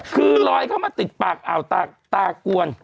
คือลอยเข้ามาติดปากอ่าวตากวน